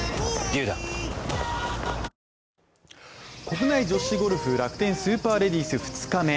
国内女子ゴルフ楽天スーパーレディース２日目。